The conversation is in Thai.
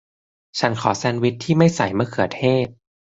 ฉันขอแซนด์วิชที่ไม่ใส่มะเขือเทศ